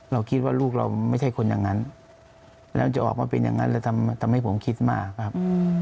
เราคิดว่าลูกเราไม่ใช่คนอย่างนั้นแล้วจะออกมาเป็นอย่างนั้นแล้วทำให้ผมคิดมากครับ